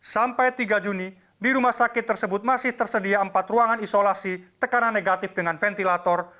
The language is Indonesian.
sampai tiga juni di rumah sakit tersebut masih tersedia empat ruangan isolasi tekanan negatif dengan ventilator